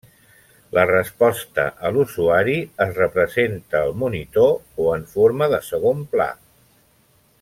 La resposta a l'usuari es representa al monitor o en forma de segon pla.